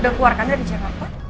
udah keluar kan dari jangan pot